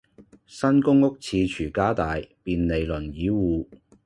新公屋廁廚加大便利輪椅戶